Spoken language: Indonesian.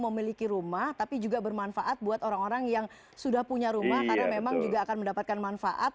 memiliki rumah tapi juga bermanfaat buat orang orang yang sudah punya rumah karena memang juga akan mendapatkan manfaat